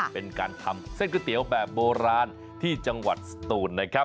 เป็นการทำเส้นก๋วยเตี๋ยวแบบโบราณที่จังหวัดสตูนนะครับ